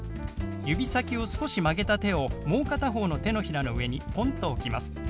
指先を少し曲げた手をもう片方の手のひらの上にポンと置きます。